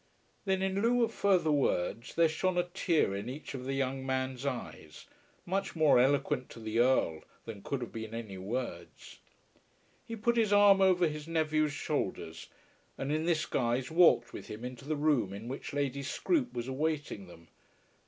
Then in lieu of further words there shone a tear in each of the young man's eyes, much more eloquent to the Earl than could have been any words. He put his arm over his nephew's shoulders, and in this guise walked with him into the room in which Lady Scroope was awaiting them.